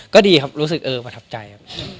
ก็ดีครับรู้สึกเออประทับใจครับ